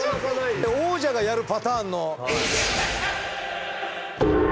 王者がやるパターンの。